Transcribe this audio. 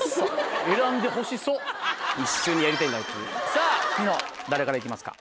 さぁニノ誰からいきますか？